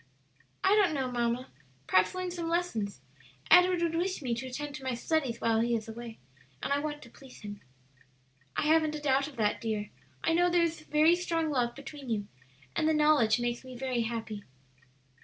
"I don't know, mamma; perhaps learn some lessons. Edward would wish me to attend to my studies while he is away, and I want to please him." "I haven't a doubt of that, dear. I know there is very strong love between you, and the knowledge makes me very happy."